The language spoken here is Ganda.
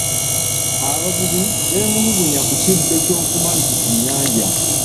Abavubi beemulugunya ku kiddo ky'oku mazzi ku nnyanja.